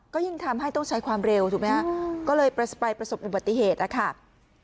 ก็ยิ่งทำให้ต้องใช้ความเร็วถูกไหมฮะก็เลยไปประสบอุบัติเหตุนะคะ